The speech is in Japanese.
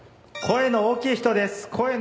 声の大きい人です。